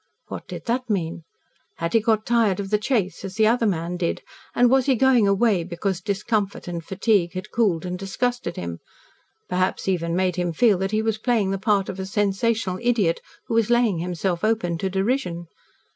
What did that mean? Had he got tired of the chase as the other man did and was he going away because discomfort and fatigue had cooled and disgusted him perhaps even made him feel that he was playing the part of a sensational idiot who was laying himself open to derision?